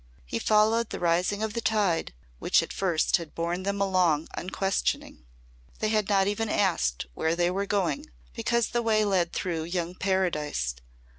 He followed the rising of the tide which at first had borne them along unquestioning. They had not even asked where they were going because the way led through young paradise.